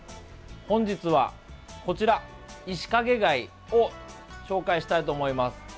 本日はこちら、イシカゲ貝を紹介したいと思います。